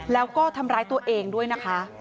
แล้วก็ทำร้ายตัวเองด้วยนะคะ